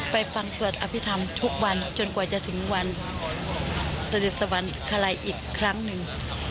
ฟังสวดอภิษฐรรมทุกวันจนกว่าจะถึงวันเสด็จสวรรคลัยอีกครั้งหนึ่ง